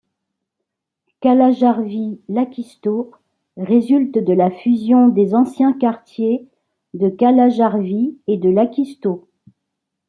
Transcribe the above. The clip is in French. Kalajärvi-Lakisto résulte de la fusion des anciens quartiers de Kalajärvi et de Lakisto.